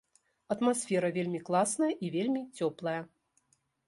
Атмасфера вельмі класная і вельмі цёплая.